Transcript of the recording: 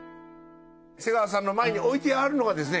瀬川さんの前に置いてあるのがですね